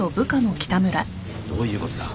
どういうことだ？